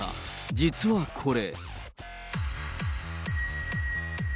実はこれ。